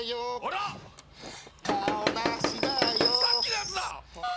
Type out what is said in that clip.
さっきのやつだ。